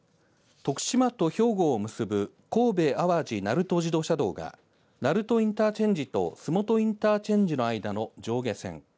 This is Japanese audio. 徳島と兵庫を結ぶ神戸淡路鳴門自動車道が鳴門インターチェンジと洲本インターチェンジの間の上下線。